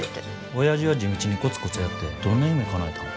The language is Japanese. おやじは地道にコツコツやってどんな夢かなえたん。